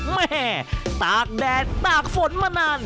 แม่ตากแดดตากฝนมานาน